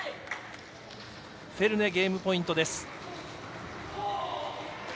フェルネ、ゲームポイント。